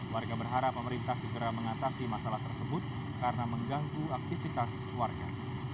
warga berharap pemerintah segera mengatasi masalah tersebut karena mengganggu aktivitas warga